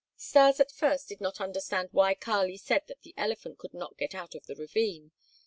Stas at first did not understand why Kali said that the elephant could not get out of the ravine.